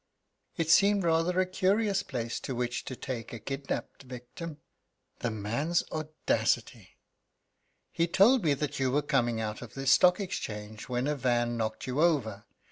It seemed rather a curious place to which to take a kidnapped victim. The man's audacity! "He told me that you were coming out of the Stock Exchange when a van knocked you over.